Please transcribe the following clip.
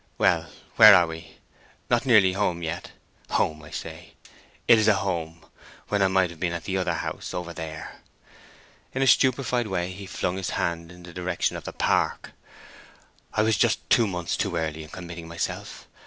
Well, where are we? Not nearly home yet?...Home, say I. It is a home! When I might have been at the other house over there." In a stupefied way he flung his hand in the direction of the park. "I was just two months too early in committing myself.